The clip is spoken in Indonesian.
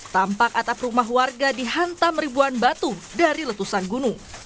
tampak atap rumah warga dihantam ribuan batu dari letusan gunung